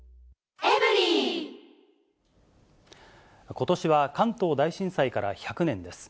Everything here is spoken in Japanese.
ことしは関東大震災から１００年です。